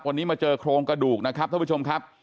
วันนี้มาเจอโครงกระดูกนะครับท่านผู้ชมครับ